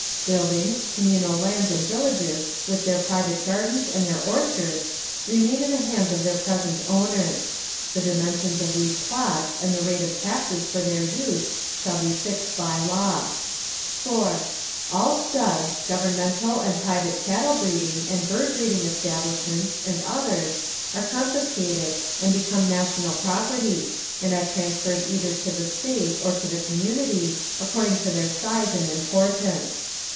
Buildings, communal lands and villages with their private gardens and their orchards remain in the hands of their present owners; the dimensions of these plots and the rate of taxes for their use shall be fixed by law. 4. All studs, governmental and private cattle breeding and bird breeding establishments, and others, are confiscated and become national property, and are transferred either to the State or to the community, according to their size and importance.